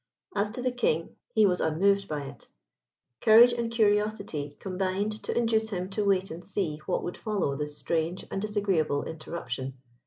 As to the King, he was unmoved by it. Courage and curiosity combined to induce him to wait and see what would follow this strange and disagreeable interruption.